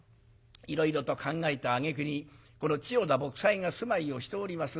いろいろと考えたあげくにこの千代田卜斎が住まいをしております